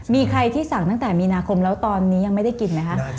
มีใครที่สั่งตั้งแต่มีนาคมแล้วตอนนี้ยังไม่ได้กินไหมคะ